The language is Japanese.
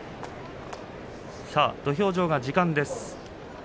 土俵上が時間です。